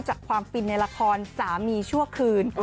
จากความฟินในละครสามีชั่วคืน